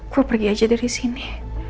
gue pergi aja dari sini